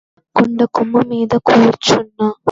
కొండకొమ్ము మీద కూరుచున్న